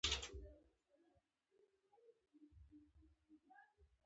موږ ټول دې واده ته خوشحاله وو.